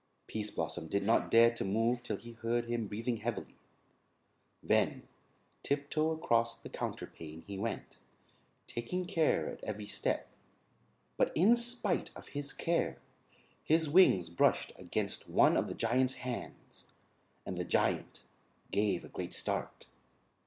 Pease Blossom did not dare to move till he heard him breathing heavily. Then, tiptoe across the counterpane he went, taking care at every step; but in spite of his care his wings brushed against one of the Giant's hands; and the Giant gave a great start.